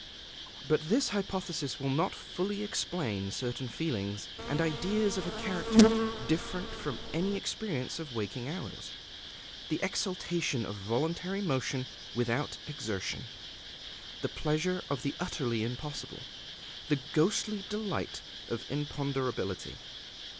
But this hypothesis will not fully explain certain feelings and ideas of a character different from any experience of waking hours, the exultation of voluntary motion without exertion, the pleasure of the utterly impossible, the ghostly delight of imponderability.